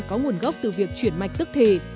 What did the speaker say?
có nguồn gốc từ việc chuyển mạch tức thể